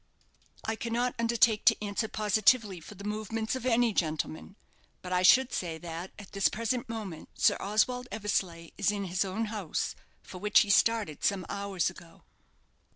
"I cannot undertake to answer positively for the movements of any gentleman; but I should say that, at this present moment, Sir Oswald Eversleigh is in his own house, for which he started some hours ago."